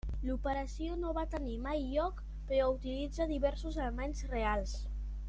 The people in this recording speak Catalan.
L'operació no va tenir mai lloc però utilitza diversos elements reals.